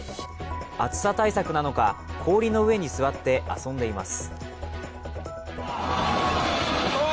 暑さ対策なのか氷の上に座って遊んでいます。